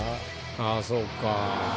あぁそうか。